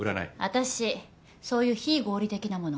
私そういう非合理的なもの